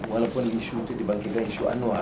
walaupun isu itu dibangkitkan isu anual